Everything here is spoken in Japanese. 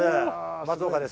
松岡です。